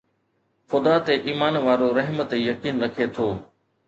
خدا تي ايمان وارو رحم تي يقين رکي ٿو